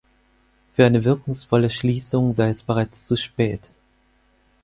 Für eine wirkungsvolle Schließung sei es bereits zu spät.